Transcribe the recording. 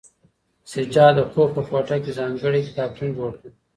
سجاد د خوب په کوټه کې ځانګړی کتابتون جوړ کړ.